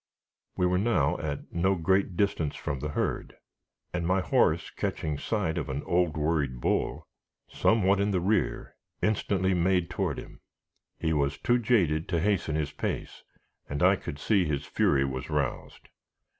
We were now at no great distance from the herd, and my horse catching sight of an old worried bull, somewhat in the rear, instantly made toward him. He was too jaded to hasten his pace, and I could see his fury was roused.